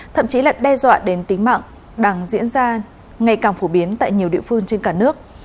thậm chí là đe dọa đến tính mạng đang diễn ra ngày càng phổ biến tại nhiều địa phương trên cả nước